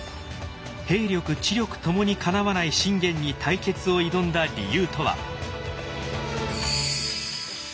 兵力知力ともにかなわない信玄に対決を挑んだ理由とは？